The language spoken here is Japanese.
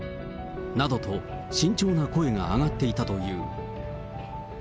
などと、慎重な声が上がっていたという。